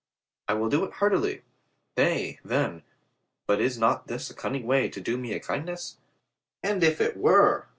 "I will do it heartily. Nay, then, but is not this a cunning way to do me a kindness?" "And if it were!